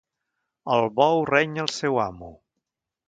El bou renya el seu amo.